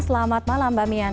selamat malam mian